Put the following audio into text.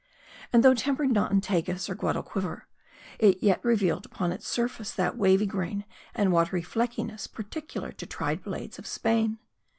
And though tempered not in Tagus or Guadalquiver, it yet revealed upon its surface that wavy grain and watery fleckiness peculiar to tried blades of Spain.